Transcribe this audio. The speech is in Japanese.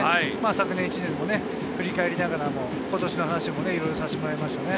昨年１年も振り返りながらも今年の話もいろいろさせてもらえましたね。